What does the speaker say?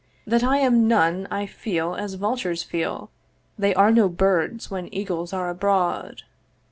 'That I am none I feel, as vultures feel 'They are no birds when eagles are abroad.